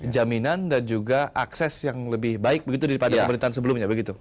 jaminan dan juga akses yang lebih baik begitu daripada pemerintahan sebelumnya begitu